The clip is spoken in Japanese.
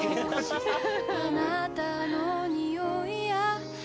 「あなたの匂いや」